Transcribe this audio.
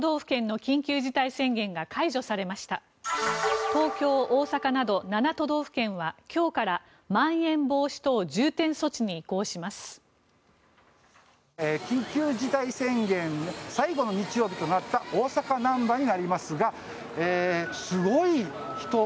緊急事態宣言最後の日曜日となった大阪・難波になりますがすごい人。